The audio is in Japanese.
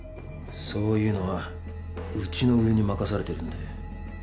そういうのはうちの上に任されてるんで。